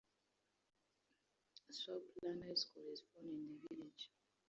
Stowupland High School is found in the village.